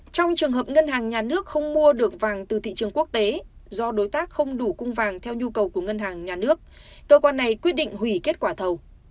trong trường hợp ngân hàng nhà nước không mua được vàng từ thị trường quốc tế do đối tác không đủ cung vàng theo nhu cầu của ngân hàng nhà nước cơ quan này quyết định hủy kết quả thầu